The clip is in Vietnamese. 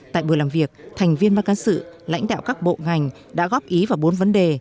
tại buổi làm việc thành viên ban cán sự lãnh đạo các bộ ngành đã góp ý vào bốn vấn đề